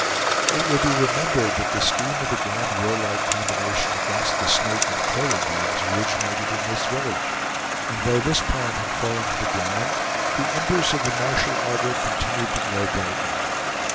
It will be remembered that the scheme of the grand warlike combination against the Snake and Crow Indians originated in this village; and though this plan had fallen to the ground, the embers of the martial ardor continued to glow brightly.